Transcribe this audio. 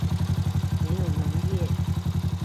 沒有農業